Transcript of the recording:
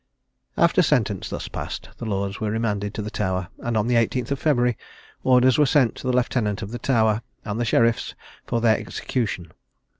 After sentence thus passed, the lords were remanded to the Tower, and on the 18th of February orders were sent to the lieutenant of the Tower, and the sheriffs, for their execution.